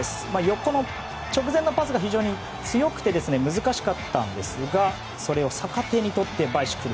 直前のパスが非常に強くて難しかったんですがそれを逆手にとってバイシクル。